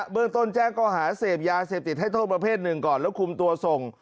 เบิร์ตต้นแจ้งก็หาเศษยาเศษติดให้โทษประเภทนึงก่อนและคุมตัวส่ง